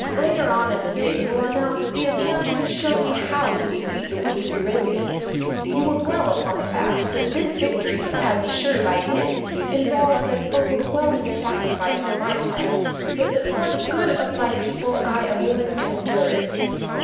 Later on in the day you will announce that the enchanter has shown me how to defeat the wicked Euralians; you will dwell upon the fact that this victory, as assured by him, involves an overwhelming sacrifice on my part, but that for the good of my people I am willing to endure it.